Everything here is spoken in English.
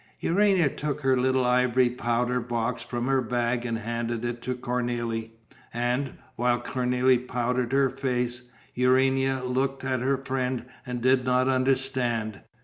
Urania took her little ivory powder box from her bag and handed it to Cornélie. And, while Cornélie powdered her face, Urania looked at her friend and did not understand.